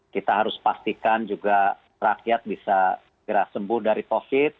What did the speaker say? kita harus pastikan juga rakyat bisa sembuh dari covid sembilan belas